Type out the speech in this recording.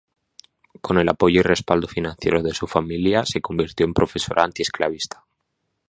Con el apoyo y respaldo financiero de su familia, se convirtió en profesora antiesclavista.